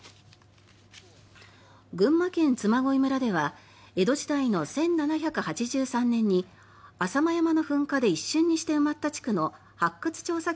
群馬県嬬恋村では江戸時代の１７８３年に浅間山の噴火で一瞬にして埋まった地区の発掘調査